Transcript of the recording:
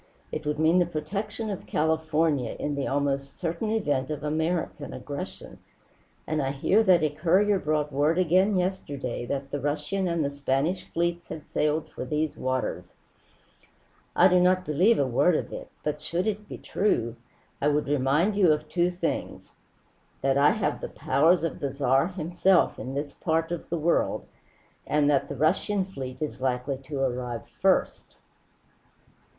It would mean the protection of California in the almost certain event of 'American' aggression. And I hear that a courier brought word again yesterday that the Russian and the Spanish fleets had sailed for these waters. I do not believe a word of it; but should it be true, I would remind you of two things: that I have the powers of the Tsar himself in this part of the world, and that the Russian fleet is likely to arrive first."